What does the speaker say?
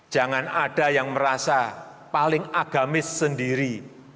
jangan ada yang merasa paling agamis sendiri